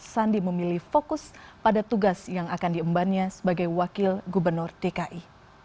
sandi memilih fokus pada tugas yang akan diembannya sebagai wakil gubernur dki